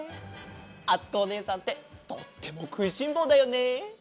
あつこおねえさんってとってもくいしんぼうだよね。